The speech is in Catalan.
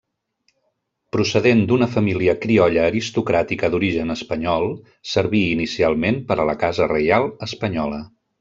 Procedent d'una família criolla aristocràtica d'origen espanyol, serví inicialment per a la casa reial espanyola.